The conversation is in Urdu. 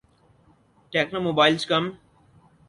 techno mobiles come